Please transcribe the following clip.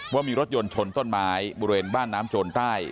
ว่ามีรถยนต์ชนต้นไม้บริเวณบ้านน้ำโจรใต้